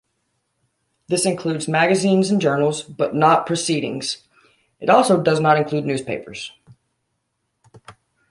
This includes magazines and journals, but not proceedings; it also does not include newspapers.